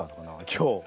今日。